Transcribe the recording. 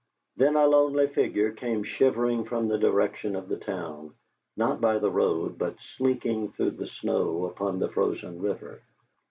Then a lonely figure came shivering from the direction of the town, not by the road, but slinking through the snow upon the frozen river.